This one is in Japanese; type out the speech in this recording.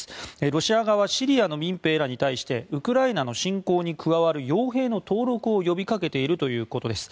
ロシア側はシリアの民兵らに対してウクライナの侵攻に加わる傭兵の登録を呼びかけているということです。